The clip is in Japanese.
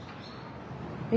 え。